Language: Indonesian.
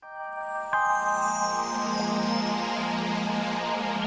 hai hai hai banyak banyak